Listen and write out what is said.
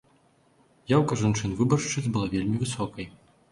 Яўка жанчын-выбаршчыц была вельмі высокай.